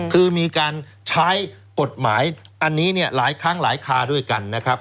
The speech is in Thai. คือมีการใช้กฎหมายอันนี้เนี่ยหลายครั้งหลายคาด้วยกันนะครับ